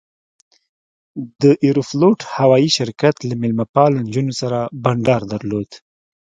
د ایروفلوټ هوایي شرکت له میلمه پالو نجونو سره بنډار درلود.